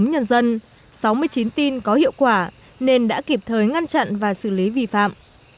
nhân dân sáu mươi chín tin có hiệu quả nên đã kịp thời ngăn chặn và xử lý vi phạm